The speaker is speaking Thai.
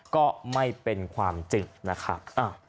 ก็ไม่เป็นความจริงนะครับ